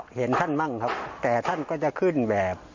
เห็นท่านมั่งครับแต่ท่านก็จะขึ้นแบบ